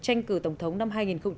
tranh cử tổng thống năm hai nghìn bảy